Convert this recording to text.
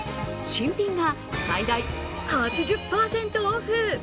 新品が最大８０％オフ。